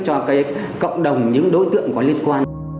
cho cộng đồng những đối tượng có liên quan